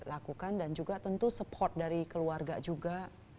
lakukan dan juga tentu support dari keluarga juga